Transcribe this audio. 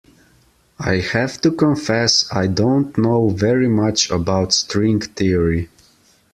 I have to confess I don't know very much about string theory.